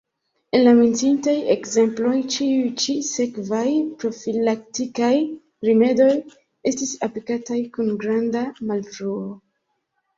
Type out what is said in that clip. En la menciitaj ekzemploj ĉiuj ĉi-sekvaj profilaktikaj rimedoj estis aplikataj kun granda malfruo.